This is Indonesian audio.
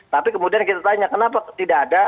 tapi kemudian kita tanya kenapa tidak ada